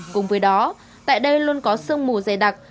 cùng với đó tại đây luôn có sương mù dày đặc